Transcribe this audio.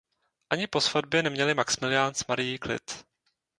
Ani po svatbě neměli Maxmilián s Marií klid.